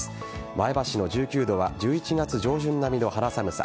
前橋の１９度は１１月上旬並みの肌寒さ。